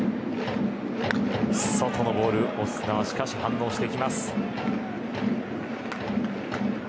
外のボールオスナはしかし反応してきます。